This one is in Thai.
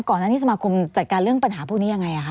ก่อนหน้านี้สมาคมจัดการเรื่องปัญหาพวกนี้ยังไงคะ